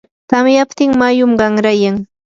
tamyaptin mayum qanrayan.